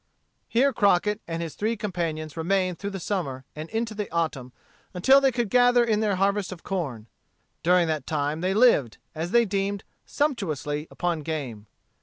Here Crockett and his three companions remained through the summer and into the autumn, until they could gather in their harvest of corn. During that time they lived, as they deemed, sumptuously, upon game.